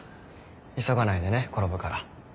急がないでね転ぶから。